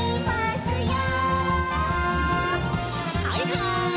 はいはい